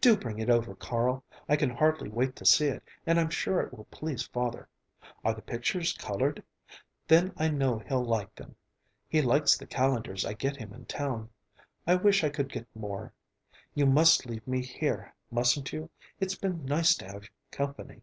"Do bring it over, Carl. I can hardly wait to see it, and I'm sure it will please father. Are the pictures colored? Then I know he'll like them. He likes the calendars I get him in town. I wish I could get more. You must leave me here, mustn't you? It's been nice to have company."